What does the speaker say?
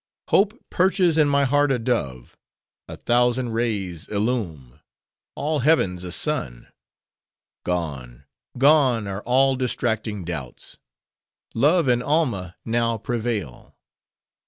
Hope perches in my heart a dove;—a thousand rays illume;—all Heaven's a sun. Gone, gone! are all distracting doubts. Love and Alma now prevail.